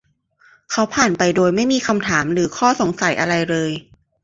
เขาผ่านไปโดยไม่มีคำถามหรืออข้อสงสัยอะไรเลย